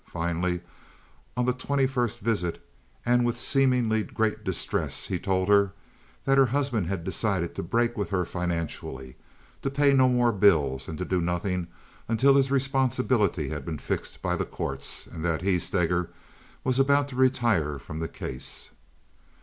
Finally, on the twenty first visit, and with seemingly great distress, he told her that her husband had decided to break with her financially, to pay no more bills, and do nothing until his responsibility had been fixed by the courts, and that he, Steger, was about to retire from the case.